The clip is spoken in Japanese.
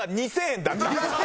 ２０００円安っ！